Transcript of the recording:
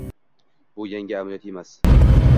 Bu – yangi amaliyot emas.